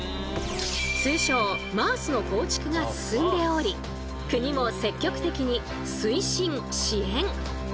通称ＭａａＳの構築が進んでおり国も積極的に推進支援。